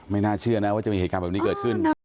น่าเชื่อนะว่าจะมีเหตุการณ์แบบนี้เกิดขึ้น